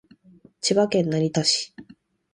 千葉県成田市